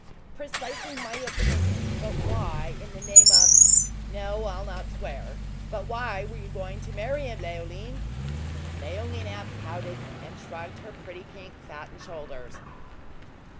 "Precisely my opinion; but why, in the name of no, I'll not swear; but why were you going to marry him, Leoline?" Leoline half pouted, and shrugged her pretty pink satin shoulders.